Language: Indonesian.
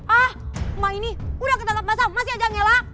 ah emak ini udah ketat ketat masam masih aja ngelak